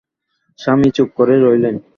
স্বামী চুপ করে রইলেন।